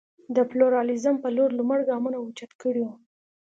د پلورالېزم په لور لومړ ګامونه اوچت کړي وو.